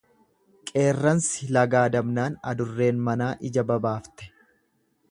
Qeerransi lagaa dabnaan adurreen manaa ija babaafte.